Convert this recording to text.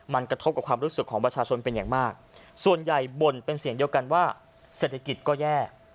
มันกระทบกับความรู้สึกของประชาชนเป็นอย่างมากส่วนใหญ่บ่นเป็นเสียงเดียวกันว่าเศรษฐกิจก็แย่